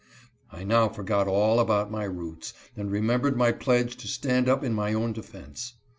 I now forgot all about my roots, and remem bered my pledge to stand up in my own defense.